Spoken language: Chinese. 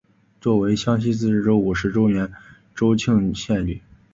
作为湘西自治州五十周年州庆献礼。